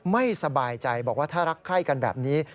ไม่สบายใจบอกว่าถ้ารักไข้กันแบบนี้